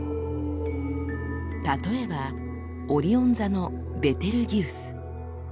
例えばオリオン座のベテルギウス。